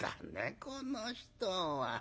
この人は。